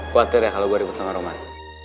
khawatir ya kalau gue ribet sama roman